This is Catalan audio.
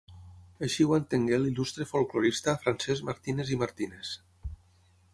Així ho entengué l’il·lustre folklorista Francesc Martínez i Martínez.